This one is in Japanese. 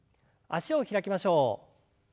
脚を開きましょう。